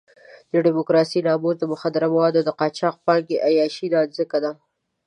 د ډیموکراسۍ ناموس د مخدره موادو د قاچاق د پانګې عیاشۍ نانځکه ده.